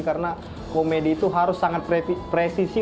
karena komedi itu harus sangat presisi